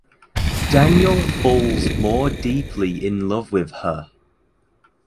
Daniel falls more deeply in love with her.